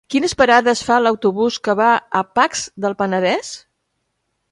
Quines parades fa l'autobús que va a Pacs del Penedès?